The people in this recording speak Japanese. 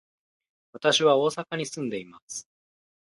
私は大阪に住んでいます。